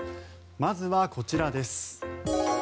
まずはこちらです。